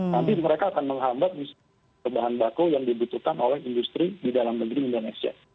nanti mereka akan menghambat bahan baku yang dibutuhkan oleh industri di dalam negeri indonesia